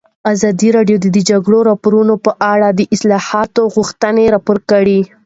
ازادي راډیو د د جګړې راپورونه په اړه د اصلاحاتو غوښتنې راپور کړې.